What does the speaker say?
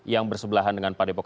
yang bersebelahan dengan padepokan